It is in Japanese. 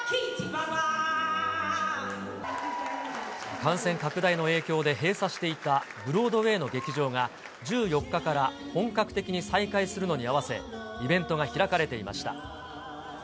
感染拡大の影響で閉鎖していたブロードウェイの劇場が１４日から本格的に再開するのに合わせ、イベントが開かれていました。